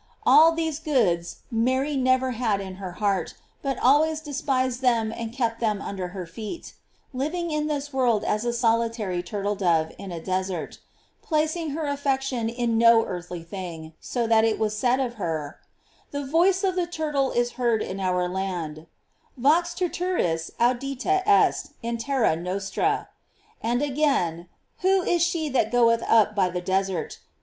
All these goods Mary never had in her heart, but always despised them and kept them under her feet; living in this world as a solitary turtle dove in a desert; placing her affection on no earthly thing, so that it was said of her: The voice of the turtle is heard in our land; "Vox turturis audita est in terra nos tra." * And again, "Who is she that goeth up by the desert